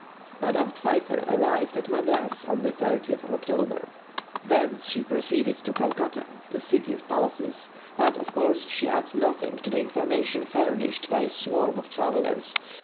Madame Pfeiffer arrived at Madras on the 30th of October. Thence she proceeded to Calcutta, the city of palaces; but, of course, she adds nothing to the information furnished by a swarm of travellers.